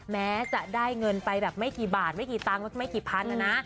แม้จะได้เงินไปแบบไม่กี่บาทไม่กี่ตังค์ไม่กี่พันนะนะ